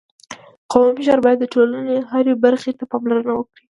قومي مشر باید د ټولني هري برخي ته پاملرنه وکړي.